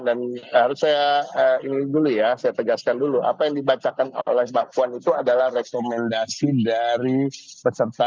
dan harus saya tegaskan dulu apa yang dibacakan oleh mbak puan itu adalah rekomendasi dari peserta